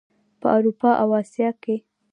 په اروپا او اسیا کې.